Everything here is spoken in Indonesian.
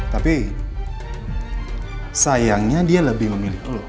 tapi sayangnya dia lebih memiliki lo